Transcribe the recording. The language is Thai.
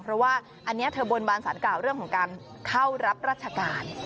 เพราะว่าอันนี้เธอบนบานสารกล่าวเรื่องของการเข้ารับราชการ